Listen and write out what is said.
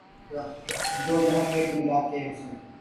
جو یہاں کے جنگلات کےحسن